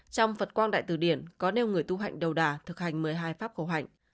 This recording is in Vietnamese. trong phật quang đại từ điển có nêu người tu hạnh đầu đà thực hành một mươi hai pháp cầu hạnh